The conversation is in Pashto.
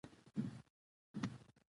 په قاچاقي لارو تل د مرګ خطر لری